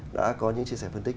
đã có những chia sẻ phân tích